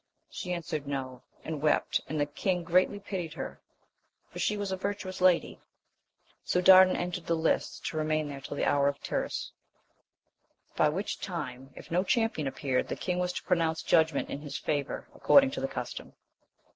She answered. No ; and wept ; and the king greatly pitied her, for she was a virtuous lady. So Dardan entered the lists, to re main there tUl the hour of tieTde*, \i^ n^\£vOcl*«ms 88 AMADIS OF GAUL, if no champion appeared, the king was to pronounce judgment in his favour, according to the custom.